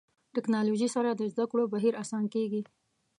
ټکنالوژي سره د زده کړو بهیر اسانه کېږي.